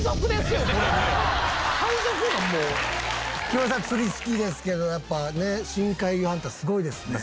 木村さん釣り好きですけどやっぱ深海魚ハンターすごいですね。